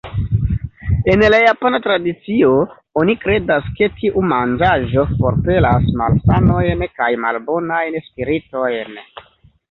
En la japana tradicio oni kredas, ke tiu manĝaĵo forpelas malsanojn kaj malbonajn spiritojn.